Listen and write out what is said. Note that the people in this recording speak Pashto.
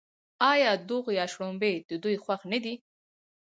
آیا دوغ یا شړومبې د دوی خوښ نه دي؟